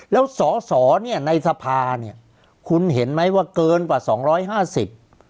แล้วสอสอเนี่ยในสภาเนี่ยคุณเห็นไหมว่าเกินกว่าสองร้อยห้าสิบ